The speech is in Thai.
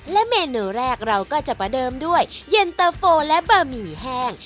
และเมนูแรกเราก็จะประเดิมด้วยเย็นตะโฟและบะหมี่แห้ง